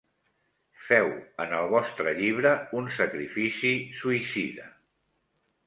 Féu en el vostre llibre un sacrifici suïcida